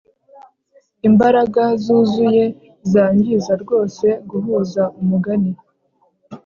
imbaraga zuzuye zangiza rwose guhuza umugani